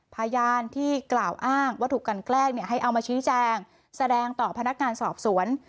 พยานที่กล่าวอ้างว่าถูกกันแกล้งให้เอามาชี้แจงแสดงต่อพนักงานสอบสวน